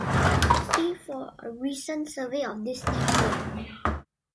See for a recent survey of this technique.